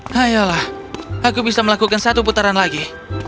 kayalah aku bisa melakukan satu putaran lagi